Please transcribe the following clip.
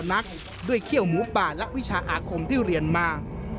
นักด้วยเขี้ยวหมูป่าและวิชาอาคมที่เรียนมา